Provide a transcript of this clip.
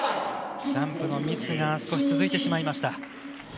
ジャンプのミスが少し続いてしまいました。